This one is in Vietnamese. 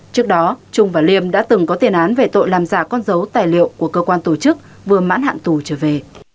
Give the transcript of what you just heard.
trước đó trung và liêm đã từng có tiền án về tội làm giả con dấu tài liệu của cơ quan tổ chức vừa mãn hạn tù trở về